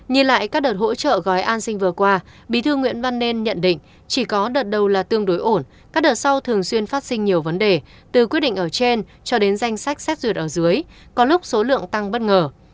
nhìn lại các đợt hỗ trợ gói an sinh vừa qua bí thư nguyễn văn nên nhận định chỉ có đợt đầu là tương đối ổn các đợt sau thường xuyên phát sinh nhiều vấn đề từ quyết định ở trên cho đến danh sách xét duyệt ở dưới có lúc số lượng tăng bất ngờ